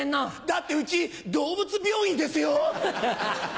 だってうち動物病院ですよ。